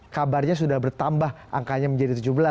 kabarnya sudah bertambah angkanya menjadi tujuh belas